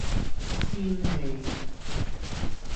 仙氣